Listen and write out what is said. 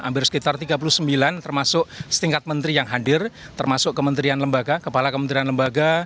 hampir sekitar tiga puluh sembilan termasuk setingkat menteri yang hadir termasuk kementerian lembaga kepala kementerian lembaga